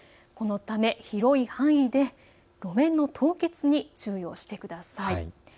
このため広い範囲で路面の凍結に注意をしてください。